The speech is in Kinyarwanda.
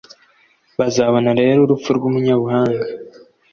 Bazabona rero urupfu rw’umunyabuhanga,